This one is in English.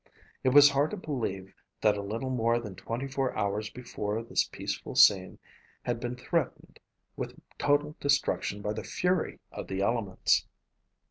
It was hard to believe that a little more than 24 hours before this peaceful scene had been threatened with total destruction by the fury of the elements.